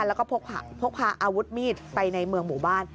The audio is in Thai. แล้วก็พกพาอาวุธมีดไปในเมืองหมู่บ้าน